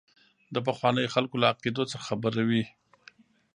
د پخوانیو خلکو له عقیدو څخه خبروي.